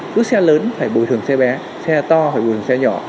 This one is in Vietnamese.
cứ xe lớn phải bồi thường xe bé xe to phải bồi thường xe nhỏ